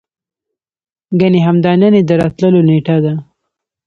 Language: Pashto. ګني همدا نن يې د راتللو نېټه ده.